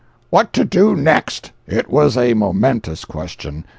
What to do next? It was a momentous question.